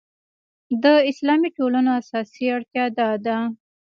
د اسلامي ټولنو اساسي اړتیا دا ده.